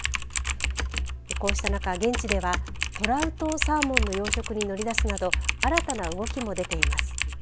こうした中、現地ではトラウトサーモンの養殖に乗り出すなど新たな動きも出ています。